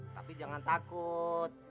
tapi jangan takut